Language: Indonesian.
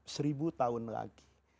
seribu tahun lagi